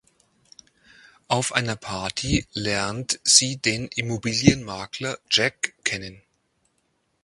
Auf einer Party lernt sie den Immobilienmakler Jack kennen.